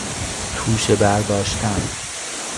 توشه برداشتن